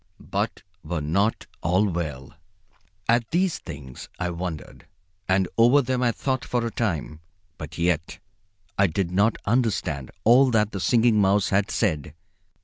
But were not all well?" At these things I wondered, and over them I thought for a time, but yet I did not understand all that the Singing Mouse had said.